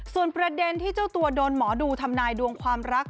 ส่วนประเด็นที่เจ้าตัวโดนหมอดูทำนายดวงความรัก